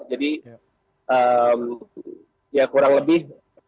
jadi ya kurang lebih